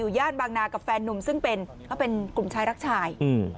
อยู่ย่านบางนากับแฟนนุ่มซึ่งเป็นกลุ่มชายรักชาย